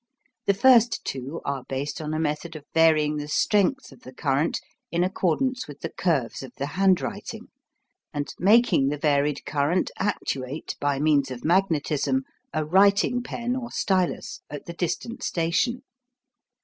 The first two are based on a method of varying the strength of the current in accordance with the curves of the handwriting, and making the varied current actuate by means of magnetism a writing pen or stylus at the distant station.